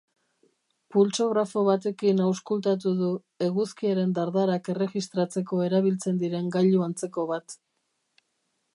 Pultsografo batekin auskultatu du, eguzkiaren dardarak erregistratzeko erabiltzen diren gailu antzeko bat.